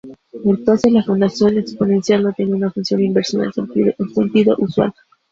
Entonces, la función exponencial no tiene una función inversa en el sentido usual.